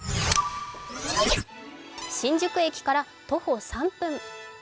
新宿駅から徒歩３分。